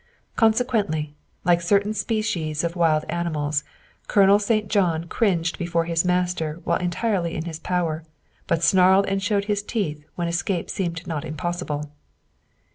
Consequently, like certain species of wild animals, Colonel St. John cringed before his master while entirely in his power, but snarled and showed his teeth when escape seemed not impossible.